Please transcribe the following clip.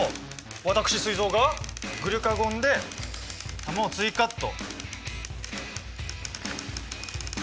私すい臓がグルカゴンで球を追加っと。